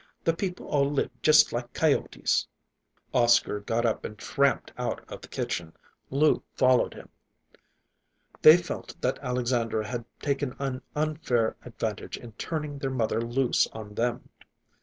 The people all lived just like coyotes." Oscar got up and tramped out of the kitchen. Lou followed him. They felt that Alexandra had taken an unfair advantage in turning their mother loose on them.